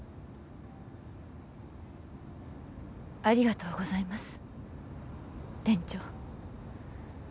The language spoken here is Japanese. ありがとうございます店長